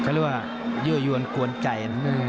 เขาเรียกว่ายั่วยวนกวนใจ